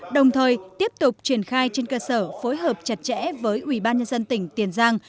đồng thời tiếp tục triển khai trên cơ sở phối hợp chặt chẽ với ủy ban nhân dân tỉnh tiền giang